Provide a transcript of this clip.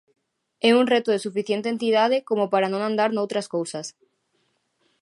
É un reto de suficiente entidade como para non andar noutras cousas.